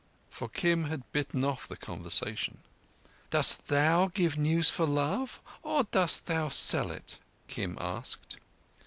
for Kim had bitten off the conversation. "Dost thou give news for love, or dost thou sell it?" Kim asked.